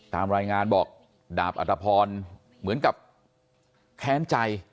ตามรายงานบอกดาบอัตภพรเหมือนกับแค้นใจ